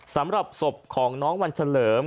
สำหรับศพของน้องวันเฉลิม